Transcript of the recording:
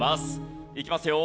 いきますよ。